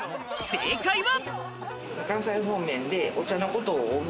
正解は。